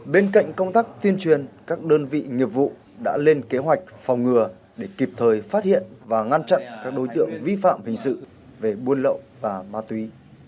bên cạnh công tác tuyên truyền các đơn vị nghiệp vụ đã lên kế hoạch phòng ngừa để kịp thời phát hiện và ngăn chặn các đối tượng vi phạm hình sự về buôn lậu và ma túy